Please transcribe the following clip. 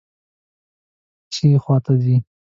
ښي خواته ځئ